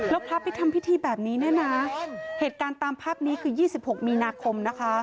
แล้วพระไปทำพิธีแบบนี้เนี่ยนะเหตุการณ์ตามภาพนี้คือ๒๖มีนาคมนะคะ